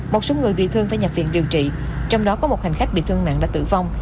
một số người bị thương phải nhập viện điều trị trong đó có một hành khách bị thương nặng đã tử vong